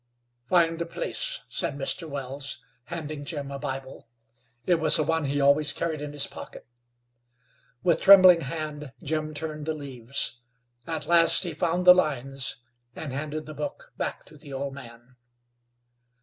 "Find the place," said Mr. Wells, handing Jim a Bible. It was the one he always carried in his pocket. With trembling hand Jim turned the leaves. At last he found the lines, and handed the book back to the old man.